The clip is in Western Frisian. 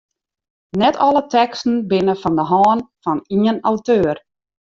Net alle teksten binne fan de hân fan ien auteur.